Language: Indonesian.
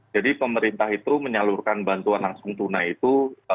jadi pemerintah itu menyalurkan bantuan langsung tunai itu